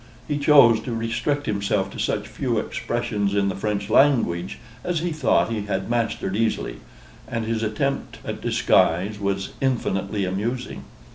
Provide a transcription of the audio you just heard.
He chose to restrict himself to such few expressions in the French language as he thought he had mastered easily; and his attempt at disguise was infinitely amusing.